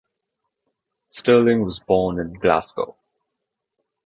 Stirling was born in Glasgow.